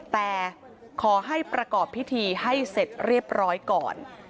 แต่ขอให้ประกอบพิธีให้เสร็จเรียบร้อยก่อน